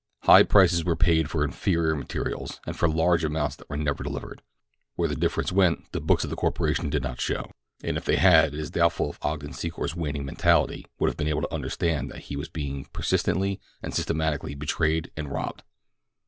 High prices were paid for inferior material, and for large amounts that were never delivered. Where the difference went the books of the corporation did not show, and if they had it is doubtful if Ogden Secor's waning mentality would have been able to understand that he was being persistently and systematically betrayed and robbed.